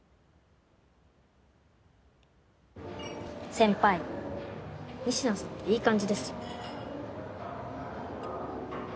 先輩仁科さんといい感じです。